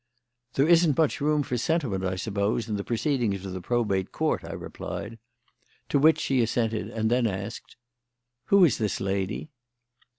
"There isn't much room for sentiment, I suppose, in the proceedings of the Probate Court," I replied. To which she assented, and then asked: "Who is this lady?"